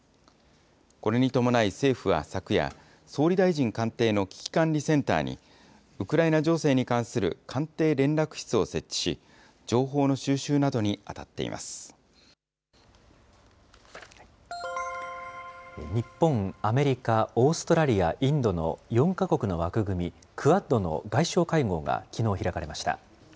これに伴い政府は昨夜、総理大臣官邸の危機管理センターに、ウクライナ情勢に関する官邸連絡室を設置し、情報の収集などに当日本、アメリカ、オーストラリア、インドの４か国の枠組み、クアッドの外相会合がきのう開かれました。